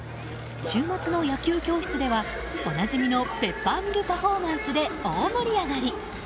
週末の野球教室ではおなじみのペッパーミルパフォーマンスで大盛り上がり。